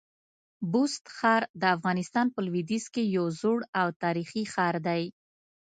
بست ښار د افغانستان په لودیځ کي یو زوړ او تاریخي ښار دی.